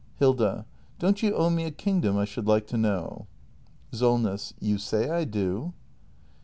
Hilda. Don't you owe me a kingdom, I should like to know ? SOLNESS. You say I do.